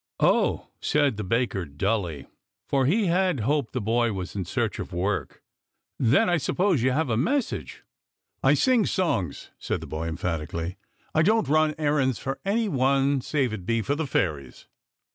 "Oh," said the baker dully, for he had hoped the boy was in search of work. " Then 1 suppose you have a message." 206 THE POET'S ALLEGORY 207 " I sing songs," the boy said emphatically. " I don't run errands for any one save it be for the fairies."